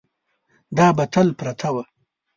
دا به تل پرته وه.